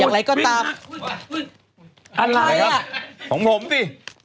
อะไรอะของผมซิ